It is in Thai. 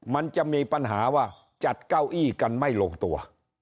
มันจะมีปัญหาว่าจัดเก้าอี้กันไม่ลงตัว